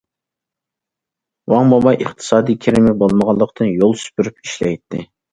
ۋاڭ موماي ئىقتىسادىي كىرىمى بولمىغانلىقتىن، يول سۈپۈرۈپ ئىشلەيتتى.